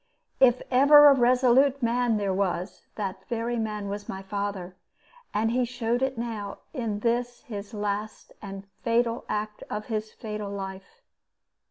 If ever a resolute man there was, that very man was my father. And he showed it now, in this the last and fatal act of his fatal life.